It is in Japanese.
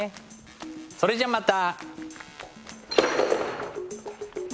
それじゃまた。